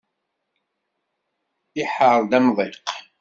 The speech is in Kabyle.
Iḥerr-d amḍiq.